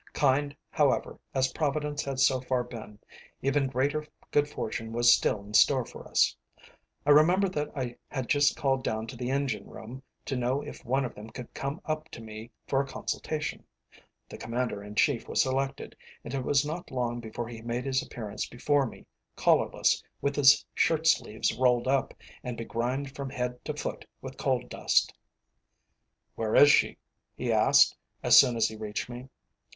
Kind, however, as Providence had so far been, even greater good fortune was still in store for us. I remember that I had just called down to the engine room to know if one of them could come up to me for a consultation. The Commander in Chief was selected, and it was not long before he made his appearance before me, collarless, with his shirtsleeves rolled up, and begrimed from head to foot with coal dust. "Where is she?" he asked, as soon as he reached me.